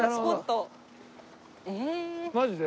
マジで？